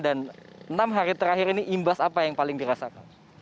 dan enam hari terakhir ini imbas apa yang paling dirasakan